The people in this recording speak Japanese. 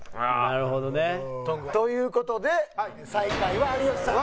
なるほどね。という事で最下位は有吉さん。